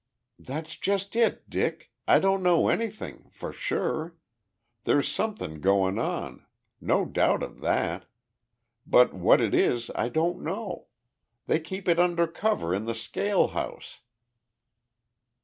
"That's just it, Dick. I don't know anything for sure. There's something goin' on. No doubt of that. But what it is I don't know. They keep it under cover in the scale house."